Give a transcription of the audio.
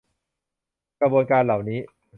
กระบวนการเหล่านี้